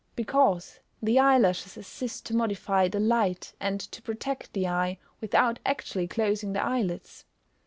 _ Because the eyelashes assist to modify the light, and to protect the eye, without actually closing the eye ids.